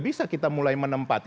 bisa kita mulai menempati